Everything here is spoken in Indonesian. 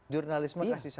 jurnalisme kasih sayang